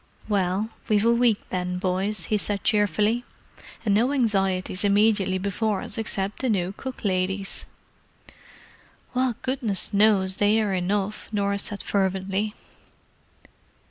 "Well—we've a week then, boys," he said cheerfully, "and no anxieties immediately before us except the new cook ladies." "Well, goodness knows they are enough," Norah said fervently.